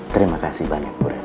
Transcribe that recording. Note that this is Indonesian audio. terima kasih banyak bureva